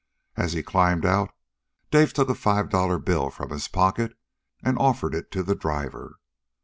As he climbed out, Dave took a five dollar bill from his pocket and offered it to the driver.